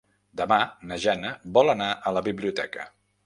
Demà na Jana vol anar a la biblioteca.